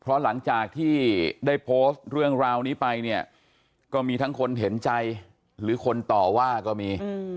เพราะหลังจากที่ได้โพสต์เรื่องราวนี้ไปเนี่ยก็มีทั้งคนเห็นใจหรือคนต่อว่าก็มี